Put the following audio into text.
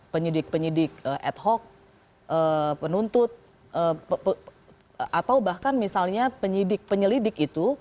penyidik penyidik ad hoc penuntut atau bahkan misalnya penyidik penyelidik itu